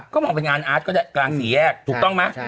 ก็มองเป็นงานอาร์ตก็ได้กลางสี่แยกถูกต้องไหม